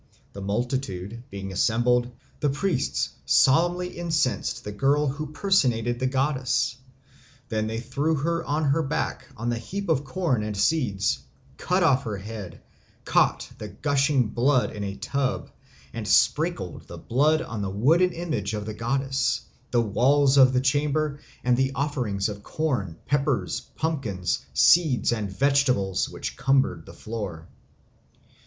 The multitude being assembled, the priests solemnly incensed the girl who personated the goddess; then they threw her on her back on the heap of corn and seeds, cut off her head, caught the gushing blood in a tub, and sprinkled the blood on the wooden image of the goddess, the walls of the chamber, and the offerings of corn, peppers, pumpkins, seeds, and vegetables which cumbered the floor.